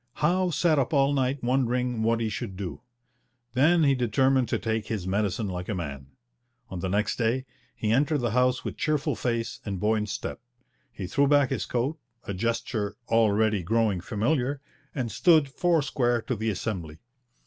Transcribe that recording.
Howe sat up all night wondering what he should do. Then he determined to take his medicine like a man. On the next day he entered the House with cheerful face and buoyant step. He threw back his coat, a gesture already growing familiar, and stood four square to the Assembly.